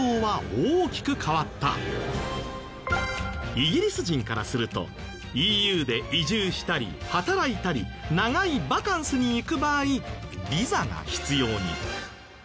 イギリス人からするとＥＵで移住したり働いたり長いバカンスに行く場合ビザが必要に。